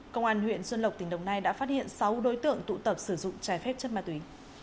công an huyện xuân lộc tỉnh đồng nai đã phát hiện sáu đối tượng tụ tập sử dụng trái phép chất ma túy